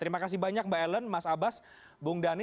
terima kasih banyak mbak ellen mas abbas bung dhani